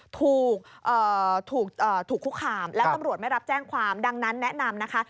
ถูกคุกคามแล้วตำรวจไม่รับแจ้งความดังนั้นแนะนำนะคะ